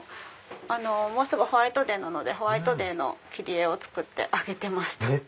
もうすぐホワイトデーなのでホワイトデーの切り絵を作って上げてました。